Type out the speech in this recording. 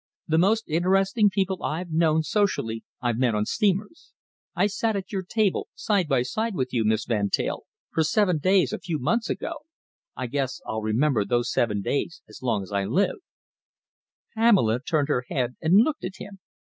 The most interesting people I've known socially I've met on steamers. I sat at your table, side by side with you, Miss Van Teyl, for seven days a few months ago. I guess I'll remember those seven days as long as I live." Pamela turned her head and looked at him.